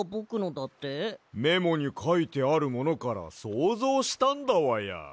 メモにかいてあるものからそうぞうしたんだわや。